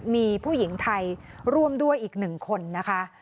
มีผู้หญิงไทยร่วมด้วยอีก๑คนนะคะ